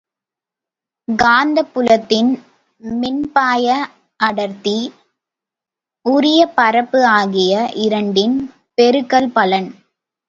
காந்தப்புலத்தில் மின்பாய அடர்த்தி, உரிய பரப்பு ஆகிய இரண்டின் பெருக்கல் பலன்.